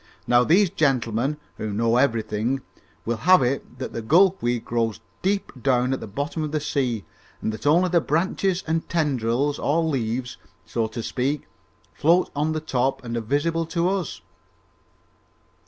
Now these gentlemen, who know everything, will have it that the gulf weed grows deep down at the bottom of the sea and that only the branches and tendrils, or leaves, so to speak, float on the top and are visible to us."